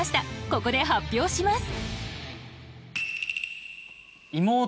ここで発表します。